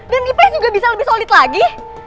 dan ips juga bisa lebih solid lagi